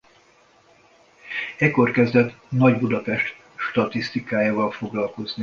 Ekkor kezdett Nagy-Budapest statisztikájával foglalkozni.